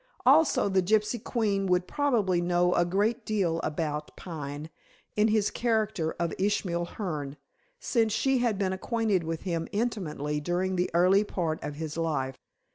Also the gypsy queen would probably know a great deal about Pine in his character of Ishmael Hearne, since she had been acquainted with him intimately during the early part of his life.